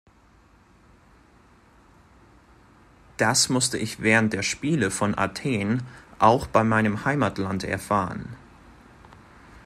Das musste ich während der Spiele von Athen auch bei meinem Heimatland erfahren.